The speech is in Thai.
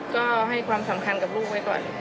ก็ให้ความสำคัญกับลูกไว้ก่อน